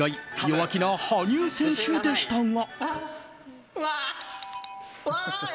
弱気な羽生選手でしたが。